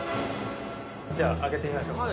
じゃあ開けてみましょう。